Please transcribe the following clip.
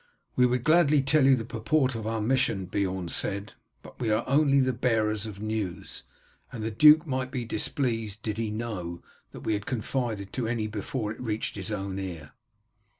"We would gladly tell you the purport of our mission," Beorn said, "but we are only the bearers of news, and the duke might be displeased did he know that we had confided to any before it reached his own ear."